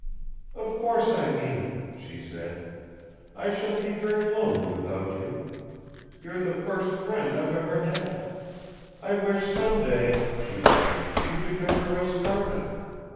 "Of course I mean it," she said. "I shall be very lonely without you. You're the first friend I've ever had. I wish some day," she added, "you could come to Roscarna."